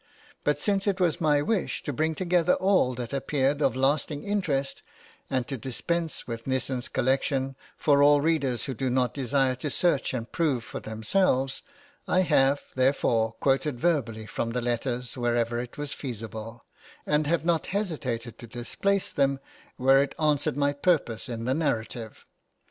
But since it was my wish to bring together all that appeared of lasting interest, and to dispense with Nissen's collection, for all readers who do not desire to search and prove for themselves, I have, therefore, quoted verbally from the letters wherever it was feasible, and have not hesitated to displace them where it answered my purpose in the narrative.